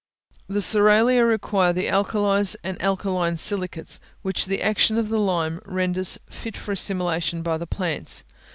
The cerealia require the alkalies and alkaline silicates, which the action of the lime renders fit for assimilation by the plants.